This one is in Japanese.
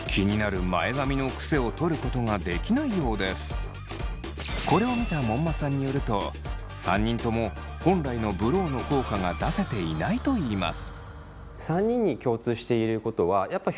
気になるこれを見た門馬さんによると３人とも本来のブローの効果が出せていないといいます。